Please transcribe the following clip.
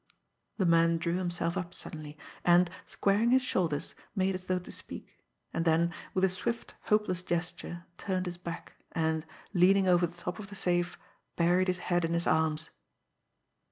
The man drew himself up suddenly, and, squaring his shoulders, made as though to speak and then, with a swift, hopeless gesture, turned his back, and, leaning over the top of the safe, buried his head in his arms.